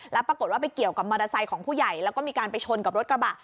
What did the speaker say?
แล้วปรากฏว่าไปเกี่ยวกับมอเตอร์ไซค์ของผู้ใหญ่แล้วก็มีการไปชนกับรถกระบะ